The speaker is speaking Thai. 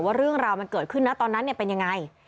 ว่าเรื่องราวมันเกิดขึ้นนะตอนนั้นเป็นยังไง